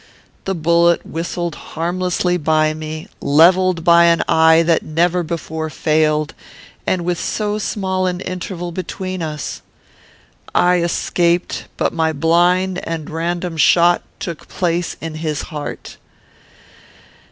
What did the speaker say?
The bullet whistled harmlessly by me, levelled by an eye that never before failed, and with so small an interval between us. I escaped, but my blind and random shot took place in his heart.